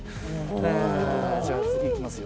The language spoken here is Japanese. ええーじゃあ次いきますよ。